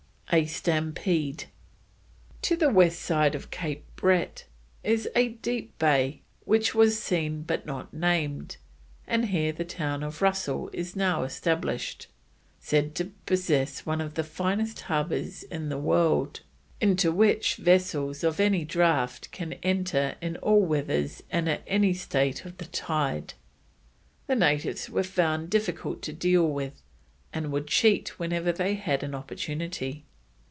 A STAMPEDE. To the west side of Cape Brett is a deep bay which was seen but not named, and here the town of Russell is now established, said to possess one of the finest harbours in the world, into which vessels of any draught can enter in all weathers and at any state of the tide. The natives were found difficult to deal with, and "would cheat whenever they had an opportunity."